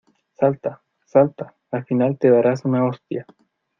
Salta, salta, al final te darás una hostia.